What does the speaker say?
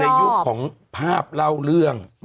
เมื่อมันอยู่ในยุคของภาพเล่าเรื่อง